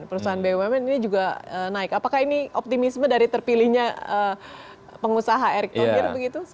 perusahaan bumn ini juga naik apakah ini optimisme dari terpilihnya pengusaha erick thohir begitu